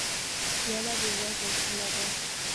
پیاله د ورځو خواله ده.